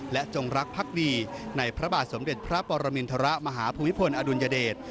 และจงรักภักดีในพระบาทสมเด็จพระปรมินทรมาฮภูมิพลอดุลยเดช